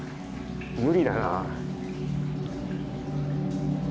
無理だな。